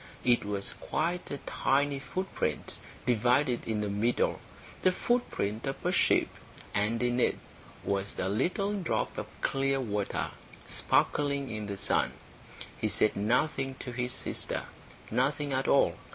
It was quite a tiny footprint, divided in the middle the footprint of a sheep; and in it was a little drop of clear water, sparkling in the sun. He said nothing to his sister, nothing at all.